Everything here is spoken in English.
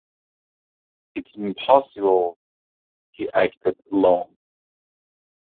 It's impossible he acted alone.